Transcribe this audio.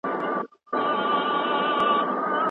غلام سپي ته د خورما ګوله ورکوي.